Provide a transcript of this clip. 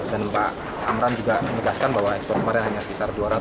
dan pak amran juga menegaskan bahwa ekspor kemarin hanya sekitar dua ratus